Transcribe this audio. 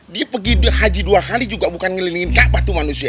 dia pergi haji dua kali juga bukan ngelilingin apa tuh manusia